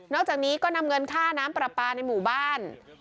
จากนี้ก็นำเงินค่าน้ำปลาปลาในหมู่บ้าน